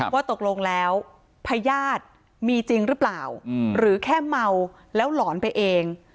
ว่าตกลงแล้วพญาติมีจริงหรือเปล่าหรือแค่เมาแล้วหลอนไปเอง